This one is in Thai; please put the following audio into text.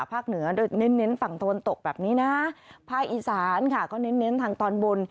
เหนือโดยเน้นเน้นฝั่งตะวันตกแบบนี้นะภาคอีสานค่ะก็เน้นทางตอนบน